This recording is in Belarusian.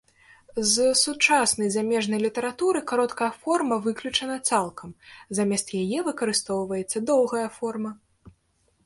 З сучаснай замежнай літаратуры кароткая форма выключана цалкам, замест яе выкарыстоўваецца доўгая форма.